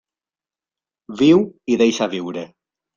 Viu i deixa viure.